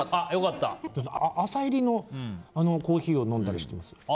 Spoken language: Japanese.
僕、浅いりのコーヒーを飲んだりしてます。